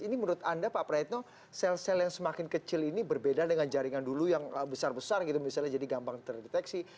ini menurut anda pak praetno sel sel yang semakin kecil ini berbeda dengan jaringan dulu yang besar besar gitu misalnya jadi gampang terdeteksi